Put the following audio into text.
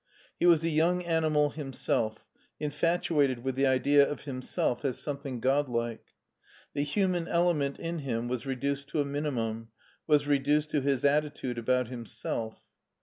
He was a young animal himself, infatuated with the idea of himself as something godlike. The human element in him was reduced to a minimum, was « reduced to his attitude about himself.